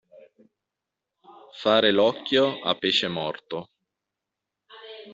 Fare l'occhio a pesce morto.